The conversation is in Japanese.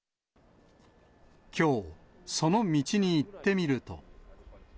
きょう、その道に行ってみると。